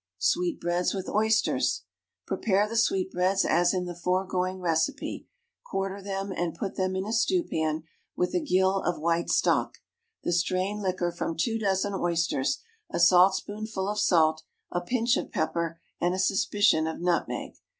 Sweetbreads with Oysters. Prepare the sweetbreads as in the foregoing recipe, quarter them, and put them in a stewpan with a gill of white stock, the strained liquor from two dozen oysters, a saltspoonful of salt, a pinch of pepper, and a suspicion of nutmeg.